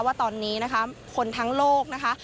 ว่าตอนนี้นะคะคนทั้งโลกนะคะ